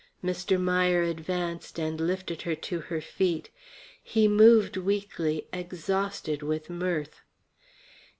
Mr. Meier advanced and lifted her to her feet. He moved weakly, exhausted with mirth.